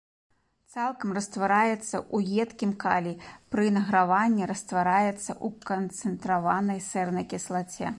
Цалкам раствараецца ў едкім калі, пры награванні раствараецца ў канцэнтраванай сернай кіслаце.